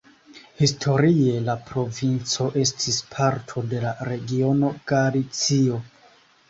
Historie la provinco estis parto de la regiono Galicio.